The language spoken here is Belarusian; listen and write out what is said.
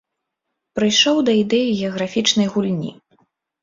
Прыйшоў да ідэі геаграфічнай гульні.